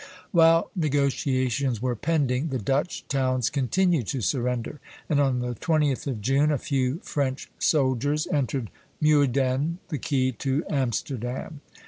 While negotiations were pending, the Dutch towns continued to surrender; and on the 20th of June a few French soldiers entered Muyden, the key to Amsterdam.